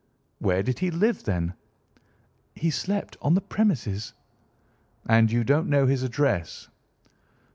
"Where did he live, then?" "He slept on the premises." "And you don't know his address?"